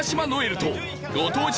留とご当地